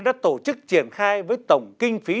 đã tổ chức triển khai với tổng kinh phí